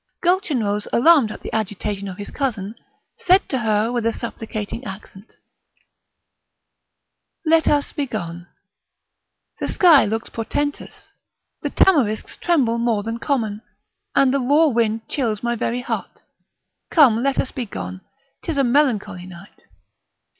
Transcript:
Gulchenrouz, alarmed at the agitation of his cousin, said to her with a supplicating accent: "Let us be gone; the sky looks portentous, the tamarisks tremble more than common, and the raw wind chills my very heart; come! let us be gone; 'tis a melancholy night!"